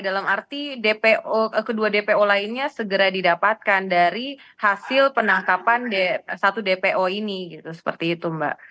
berarti kedua dpo lainnya segera didapatkan dari hasil penangkapan satu dpo ini seperti itu mbak